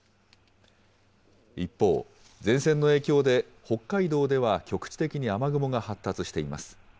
一方、前線の影響で、北海道では局地的に雨雲が発達しています。